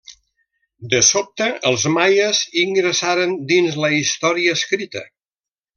De sobte, els maies ingressaren dins la història escrita.